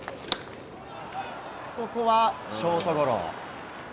ここはショートゴロ。